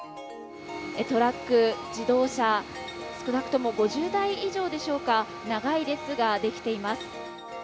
トラック、自動車、少なくとも５０台以上でしょうか、長い列が出来ています。